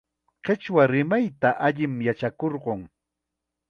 Qichwa rimayta allim yachakurqun.